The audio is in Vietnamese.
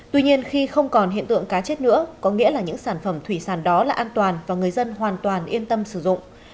tuy nhiên khi không còn hiện tượng cá chết nữa có nghĩa là những sản phẩm thủy sản đó là an toàn và người dân hoàn toàn yên tâm sử dụng